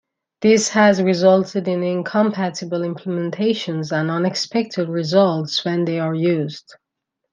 This has resulted in incompatible implementations and unexpected results when they are used.